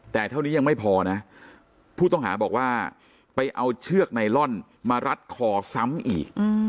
แต่เท่านี้ยังไม่พอนะผู้ต้องหาบอกว่าไปเอาเชือกไนลอนมารัดคอซ้ำอีก